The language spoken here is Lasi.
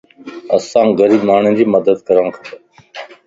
اسانک غريب ماڻھين جي مدد ڪرڻ کپ